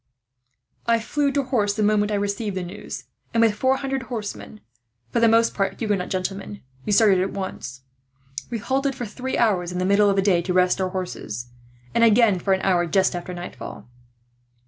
I flew to horse, the moment I received the news; and with four hundred horsemen, for the most part Huguenot gentlemen, we started at once. We halted for three hours in the middle of the day to rest our horses, and again for an hour just after nightfall.